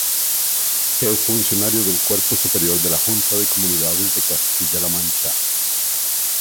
Es funcionario del cuerpo superior de la Junta de Comunidades de Castilla-La Mancha.